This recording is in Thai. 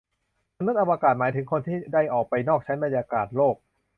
มนุษย์อวกาศ หมายถึงคนที่ได้ออกไปนอกชั้นบรรยากาศโลก